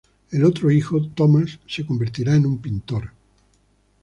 El otro hijo Thomas se convertirá en un pintor.